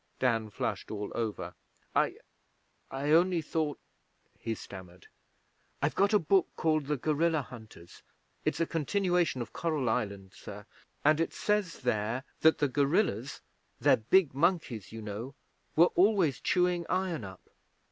Dan flushed all over. 'I I only thought,' he stammered; 'I've got a book called The Gorilla Hunters it's a continuation of Coral Island, sir and it says there that the gorillas (they're big monkeys, you know) were always chewing iron up.'